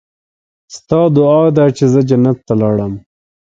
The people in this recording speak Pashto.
ستا دعا ده چې زه جنت ته لاړم.